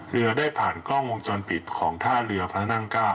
เรือได้ผ่านกล้องวงจรปิดของท่าเรือพระนั่ง๙